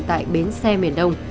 tại bến xe miền đông